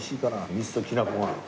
蜜ときな粉が。